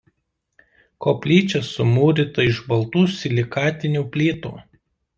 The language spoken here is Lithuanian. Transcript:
Koplyčia sumūryta iš baltų silikatinių plytų.